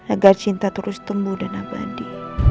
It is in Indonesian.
agar cinta terus tumbuh dan abadi